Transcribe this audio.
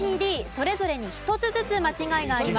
それぞれに１つずつ間違いがあります。